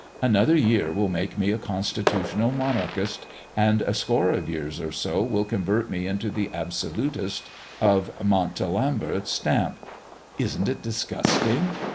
Another year will make me a constitutional monarchist, and a score of years or so will convert me into an absolutist of Montalembert's stamp. Isn't it disgusting!